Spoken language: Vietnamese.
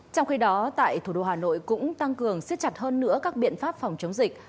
trong khi đó tại thủ đô hà nội cũng tăng cường siết chặt hơn nữa các biện pháp phòng chống dịch